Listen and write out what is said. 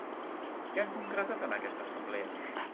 Què han concretat en aquesta assemblea?